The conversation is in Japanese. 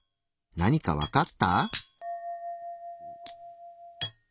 何かわかった？